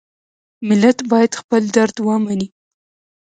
ملت باید خپل درد ومني.